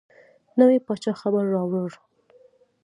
نوي پاچا خبر راووړ.